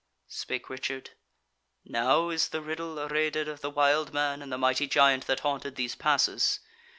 Spake Richard: "Now is the riddle areded of the wild man and the mighty giant that haunted these passes.